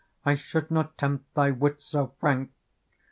I should not tempt thy wit so frank.